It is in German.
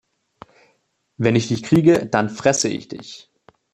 Wenn ich dich kriege, dann fresse ich dich!